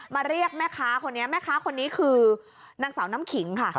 เรียกแม่ค้าคนนี้แม่ค้าคนนี้คือนางสาวน้ำขิงค่ะ